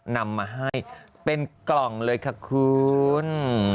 นำมาให้เป็นกล่องเลยค่ะคุณ